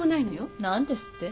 何ですって？